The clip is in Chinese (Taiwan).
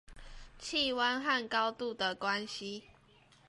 氣溫和高度的關係